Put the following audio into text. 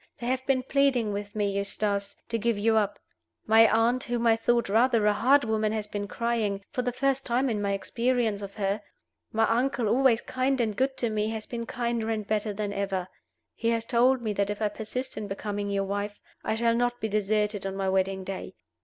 They have been pleading with me, Eustace, to give you up. My aunt, whom I thought rather a hard woman, has been crying for the first time in my experience of her. My uncle, always kind and good to me, has been kinder and better than ever. He has told me that if I persist in becoming your wife, I shall not be deserted on my wedding day.